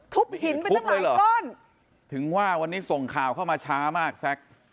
หินไปจังเลยเหรอก้อนถึงว่าวันนี้ส่งข่าวเข้ามาช้ามากแซ็ก